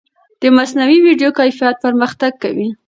د مصنوعي ویډیو کیفیت پرمختګ کوي.